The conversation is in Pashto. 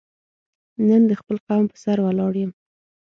نن د خپل قوم په سر ولاړ یم.